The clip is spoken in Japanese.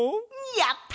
やった！